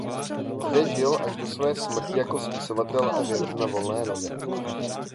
Zde žil až do své smrti jako spisovatel a vědec na volné noze.